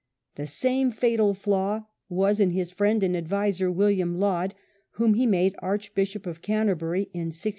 The iBhe fatal flaw was in his friend and adviser, William Laud, whom he made Archbishop of Canterbury in 1633.